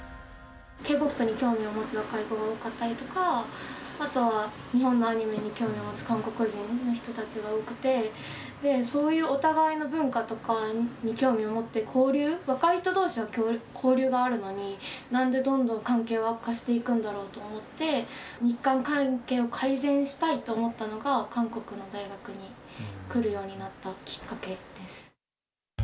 Ｋ−ＰＯＰに興味を持つ若い子が多かったりとか、あとは日本のアニメに興味を持つ韓国人の人たちが多くて、そういうお互いの文化とかに興味を持って、交流、若い人どうしは交流があるのに、なんでどんどん関係は悪化していくんだろうと思って、日韓関係を改善したいと思ったのが、韓国の大学に来るようになったきっかけです。